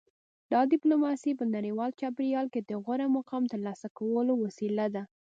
دا ډیپلوماسي په نړیوال چاپیریال کې د غوره مقام ترلاسه کولو وسیله ده